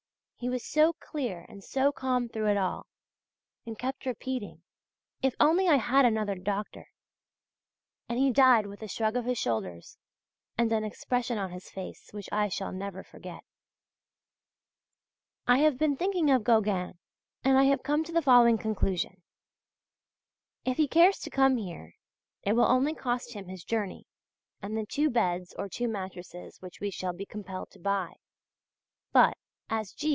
He was so clear and so calm through it all, and kept repeating: "If only I had another doctor!" And he died with a shrug of his shoulders, and an expression on his face which I shall never forget. I have been thinking of Gauguin and have come to the following conclusion: if he cares to come here, it will only cost him his journey and the two beds or two mattresses which we shall be compelled to buy. But, as G.